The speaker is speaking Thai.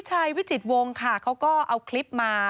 ชายวิจิตวงค่ะเขาก็เอาคลิปมา